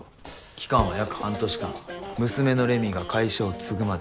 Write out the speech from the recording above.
期間は約半年間娘のレミが会社を継ぐまで。